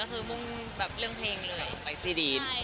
ก็คือมุ่งแบบเรื่องเพลงกับสไตรม์ซี่ดีนแล้ว